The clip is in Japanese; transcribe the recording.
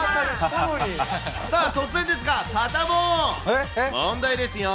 突然ですが、サタボー、問題ですよ。